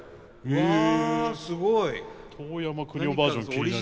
へえ。